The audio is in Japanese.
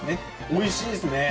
美味しいですね。